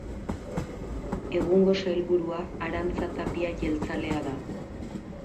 Egungo Sailburua Arantza Tapia jeltzalea da.